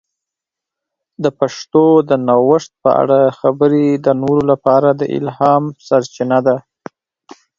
د پښتو د نوښت په اړه خبرې د نورو لپاره د الهام سرچینه ده.